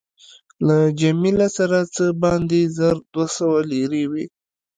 له جميله سره څه باندې زر دوه سوه لیرې وې.